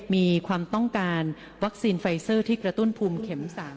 มีความต้องการวัคซีนไฟเซอร์ที่กระตุ้นภูมิเข็ม๓